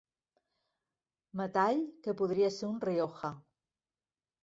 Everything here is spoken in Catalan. Metall que podria ser un Rioja.